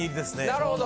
なるほど。